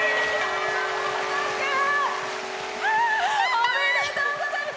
おめでとうございます！